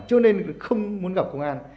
cho nên không muốn gặp công an